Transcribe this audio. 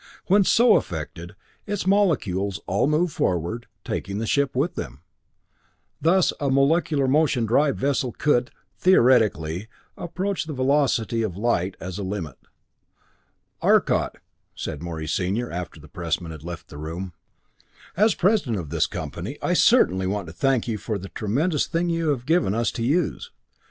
When so affected, its molecules all moved forward, taking the ship with them. Thus, a molecular motion drive vessel could, theoretically, approach the velocity of light as a limit. "Arcot," said Morey, Senior, after the pressmen had left the room, "as president of this company I certainly want to thank you for the tremendous thing you have given us to use.